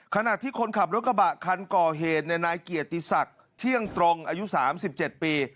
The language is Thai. ขณะที่คนขับรถกระบะคันก่อเหตุนายเกียรติศักดิ์เที่ยงตรงอายุ๓๗ปี